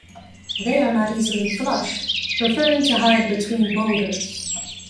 They are not easily flushed, preferring to hide between boulders.